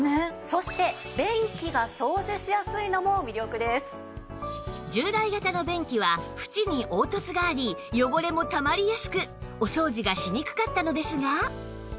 そして従来型の便器はフチに凹凸があり汚れもたまりやすくお掃除がしにくかったのですが